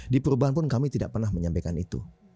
di perubahan pun kami tidak pernah menyampaikan itu